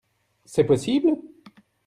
C'est possible ?